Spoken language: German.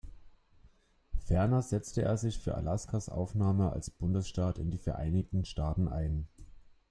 Ferner setzte er sich für Alaskas Aufnahme als Bundesstaat in die Vereinigten Staaten ein.